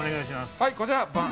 ◆はい、こちら！